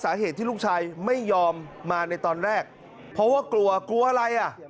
สาเหตุที่ลูกชายไม่ยอมมาในตอนแรกเพราะว่ากลัวกลัวอะไรอ่ะ